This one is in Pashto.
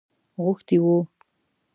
غوښتی وو.